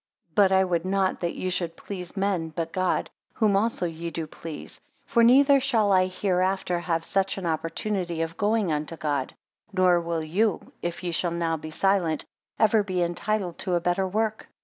5 But I would not that ye should please men, but God; whom also ye do, please. For neither shall I hereafter have such an opportunity of going unto God; nor will you, if ye shall now be silent, ever be entitled to a better work.